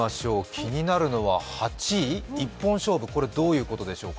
気になるのは８位、一本勝負、どういうことでしょうか？